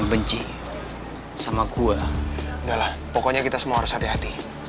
bersatu kita tegung